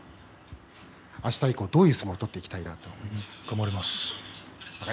あした以降、どういう相撲を取っていきたいですか。